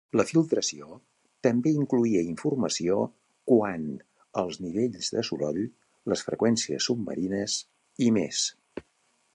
La filtració també incloïa informació quant als nivells de soroll, les freqüències submarines i més.